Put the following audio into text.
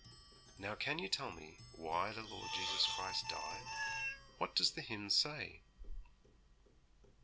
'Now can you tell me why the Lord Jesus Christ died; what does the hymn say?'